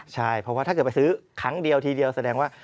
ใช่เพราะว่าถ้าเกิดไปซื้อครั้งเดียวทีเดียวแสดงว่า